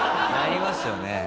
なりますよね。